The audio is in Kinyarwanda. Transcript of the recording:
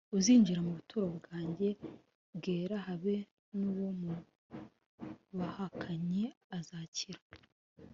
uuzinjira mu buturo bwanjye bwera habe n’uwo mu bahakanyi azakira